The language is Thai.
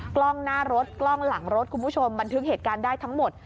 กล้องหน้ารถกล้องหลังรถคุณผู้ชมบันทึกเหตุการณ์ได้ทั้งหมด